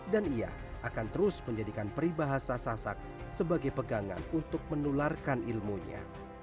dan ia akan terus menjadikan peribahasa sasak sebagai pegangan untuk menularkan ilmunya